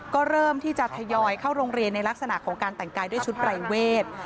ก็เริ่มที่จะทยอยเข้าโรงเรียนในลักษณะของการแต่งกายด้วยชุดปรายเวท